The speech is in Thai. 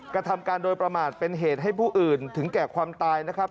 กระทำการโดยประมาทเป็นเหตุให้ผู้อื่นถึงแก่ความตายนะครับ